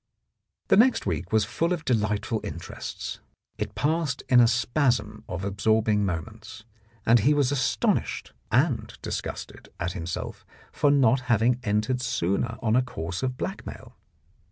The next week was full of delightful interests; it passed in a spasm of absorbing moments, and he was astonished and disgusted at himself for not having entered sooner on a course of blackmail.